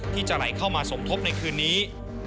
ที่จะไหลเข้ามาสมทบในคืนนี้